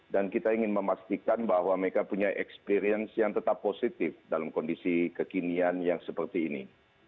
dan kita ingin memastikan bahwa mereka punya experience yang tetap positif dalam kondisi kekinian yang seperti ini